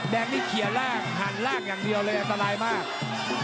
แดงนี่เขียนล่างหันล่างอย่างเดียวเลยอันตรายมาก